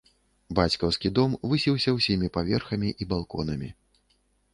Бацькаўскі дом высіўся ўсімі паверхамі і балконамі.